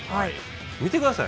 見てください。